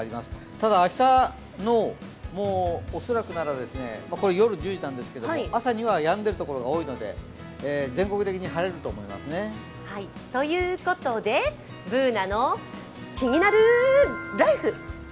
ただ明日の恐らく、これは夜１０時ですが朝にはやんでいるところが多いので、全国的に晴れると思いますね。ということで「ＢｏｏｎａのキニナルＬＩＦＥ」。